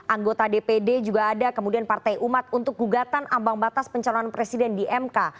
anggota dpd juga ada kemudian partai umat untuk gugatan ambang batas pencalonan presiden di mk